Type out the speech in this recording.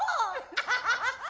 アハハハハ！